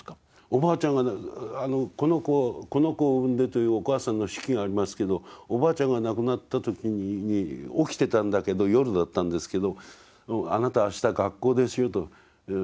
「この子を生んで」というお母さんの手記がありますけどおばあちゃんが亡くなった時に起きてたんだけど夜だったんですけど「あなたはあした学校ですよ」と。